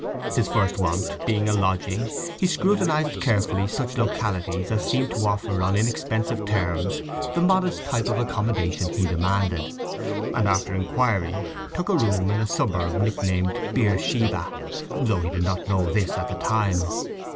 His first want being a lodging he scrutinized carefully such localities as seemed to offer on inexpensive terms the modest type of accommodation he demanded; and after inquiry took a room in a suburb nicknamed "Beersheba," though he did not know this at the time.